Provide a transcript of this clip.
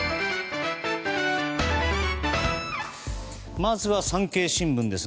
まずは産経新聞です。